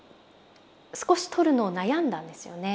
少し撮るのを悩んだんですよね。